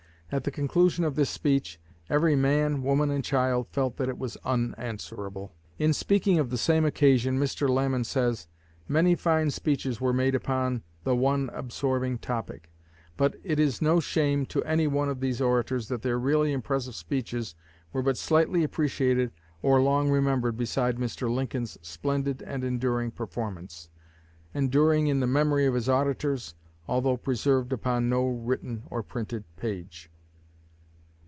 At the conclusion of this speech, every man, woman, and child felt that it was unanswerable." In speaking of the same occasion, Mr. Lamon says: "Many fine speeches were made upon the one absorbing topic; but it is no shame to any one of these orators that their really impressive speeches were but slightly appreciated or long remembered beside Mr. Lincoln's splendid and enduring performance, enduring in the memory of his auditors, although preserved upon no written or printed page."